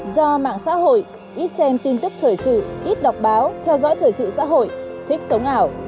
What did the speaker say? do mạng xã hội ít xem tin tức thời sự ít đọc báo theo dõi thời sự xã hội thích sống ảo